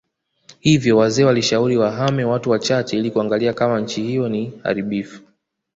Hivyo wazee walishauri wahame watu wachache ili kuangalia kama nchii hiyo ni haribifu